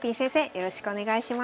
よろしくお願いします。